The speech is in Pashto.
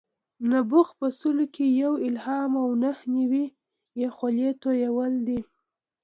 نبوغ په سلو کې یو الهام او نهه نوي یې خولې تویول دي.